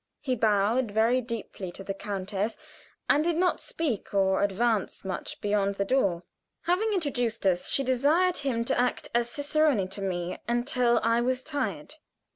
He bowed very deeply to the countess and did not speak or advance much beyond the door. Having introduced us, she desired him to act as cicerone to me until I was tired.